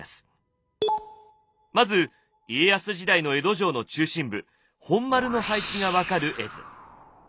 まず家康時代の江戸城の中心部本丸の配置が分かる絵図。